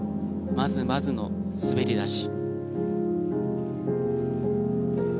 まずまずの滑り出し。